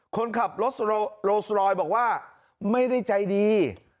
คนขับรถโรสุรอยบอกว่าไม่ได้ใจดี